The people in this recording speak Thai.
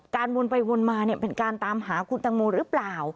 วนไปวนมาเป็นการตามหาคุณตังโมหรือเปล่า